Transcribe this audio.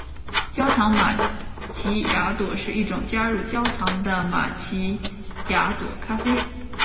焦糖玛琪雅朵是一种加入焦糖的玛琪雅朵咖啡。